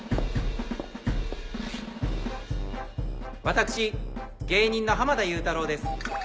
私芸人の濱田祐太郎です。